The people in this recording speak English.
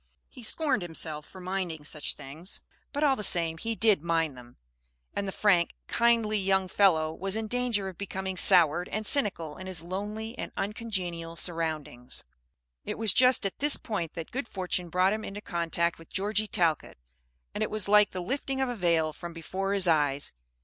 He scorned himself for minding such things; but all the same he did mind them, and the frank, kindly young fellow was in danger of becoming soured and cynical in his lonely and uncongenial surroundings. It was just at this point that good fortune brought him into contact with Georgie Talcott, and it was like the lifting of a veil from before his eyes.